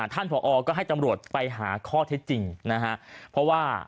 ท่านพอก็ให้จำรวจไปหาข้อเท็จจริงนะฮะ